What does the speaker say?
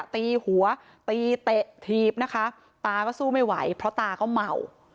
ตีหัวตีเตะถีบนะคะตาก็สู้ไม่ไหวเพราะตาก็เมา